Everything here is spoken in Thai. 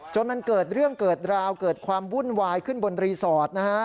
จนมันเกิดเรื่องเกิดราวเกิดความวุ่นวายขึ้นบนรีสอร์ทนะฮะ